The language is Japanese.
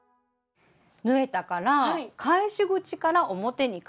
縫えたから返し口から表に返します。